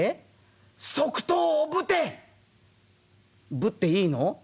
「ぶっていいの？」。